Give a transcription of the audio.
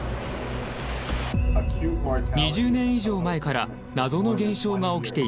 ２０年以上前から謎の現象が起きていました。